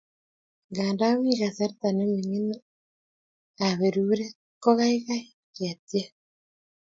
Nganda mi kasarta ne mining' ab peruret ko kaikai ketiem